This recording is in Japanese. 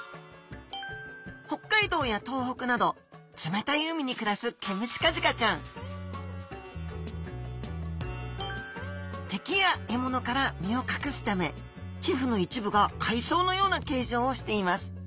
北海道や東北など冷たい海に暮らすケムシカジカちゃん敵や獲物から身を隠すため皮膚の一部が海藻のような形状をしています。